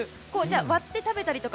割って食べたりとか。